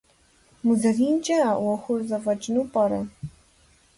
МузэринкӀэ а Ӏуэхур зэфӀэкӀыну пӀэрэ?